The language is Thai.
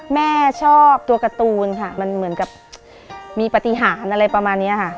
แม่ชอบตัวการ์ตูนค่ะมันเหมือนกับมีปฏิหารอะไรประมาณนี้ค่ะ